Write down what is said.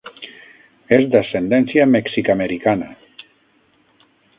És d'ascendència mexicamericana.